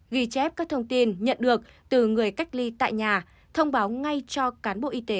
ghi chép các thông tin nhận được từ người cách ly tại nhà thông báo ngay cho cán bộ y tế